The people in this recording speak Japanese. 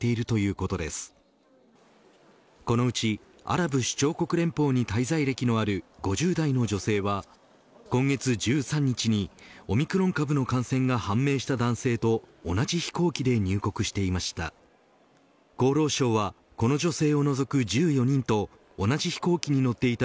このうちアラブ首長国連邦に滞在歴のある５０代の女性は今月１３日にオミクロン株の感染が判明した男性と同じ飛行機で入国していました。